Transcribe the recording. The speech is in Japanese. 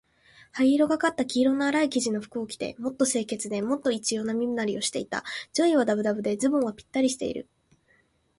灰色がかった黄色のあらい生地の服を着て、もっと清潔で、もっと一様な身なりをしていた。上衣はだぶだぶで、ズボンはぴったりしている。